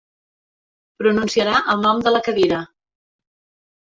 Pronunciarà el nom de la cadira.